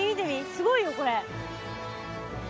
すごいよこれ。